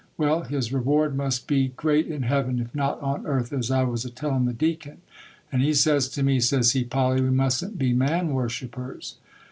Well, his reward must be great in heaven, if not on earth, as I was a tellin' the Deacon; and he says to me, says he, "Polly, we mustn't be man worshippers."